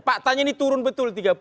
pak tanya ini turun betul tiga puluh detik